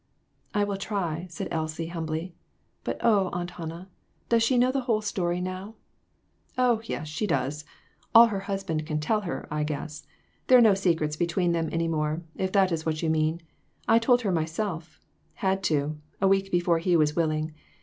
"I will try," said Elsie, humbly. "But oh, Aunt Hannah, does she know the whole story now?*' "Oh, yes; she does all her husband can tell her, I guess. There are no secrets between them any more, if that is what you mean. I told her myself had to, a week before he was willing.